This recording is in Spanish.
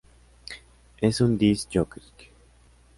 Es un disc jockey.